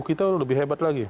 itu lebih hebat lagi